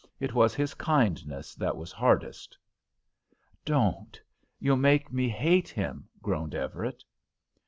It was his kindness that was hardest." "Don't; you'll make me hate him," groaned Everett.